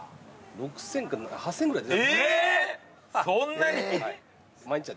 そんなに？